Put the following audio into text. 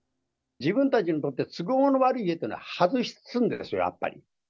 自分たちにとって都合の悪い家っていうのは外すんですよ、やっぱり。